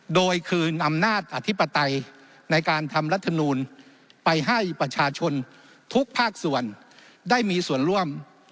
โดยคือนำนาจอธิปไตยในการทำรัฐมนูลไปให้ประชาชนทุกภาคส่วนได้มีส่วนร่วม